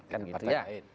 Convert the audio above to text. kan gitu ya